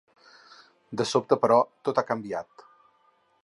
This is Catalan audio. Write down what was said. De sobte, però, tot ha canviat.